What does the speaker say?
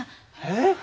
えっ？